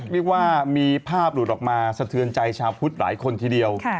เรียกว่ามีภาพหลุดออกมาสะเทือนใจชาวพุทธหลายคนทีเดียว